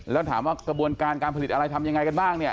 แล้วถามว่ากระบวนการการผลิตอะไรทำยังไงกันบ้างเนี่ย